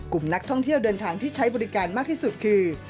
กลุ่มนักท่องเที่ยวเดินทางที่ใช้บริการมากที่สุดคือ